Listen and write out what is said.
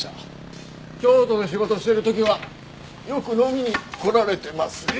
京都で仕事してる時はよく飲みに来られてますよ。